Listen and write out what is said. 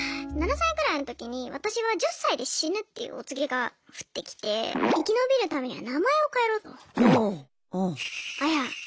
７歳ぐらいの時に私は１０歳で死ぬっていうお告げが降ってきて生き延びるためには名前を変えろと。